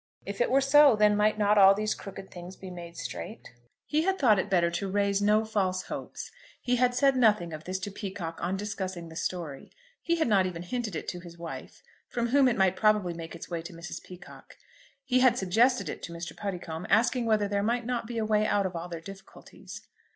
If it were so, then might not all these crooked things be made straight? He had thought it better to raise no false hopes. He had said nothing of this to Peacocke on discussing the story. He had not even hinted it to his wife, from whom it might probably make its way to Mrs. Peacocke. He had suggested it to Mr. Puddicombe, asking whether there might not be a way out of all their difficulties.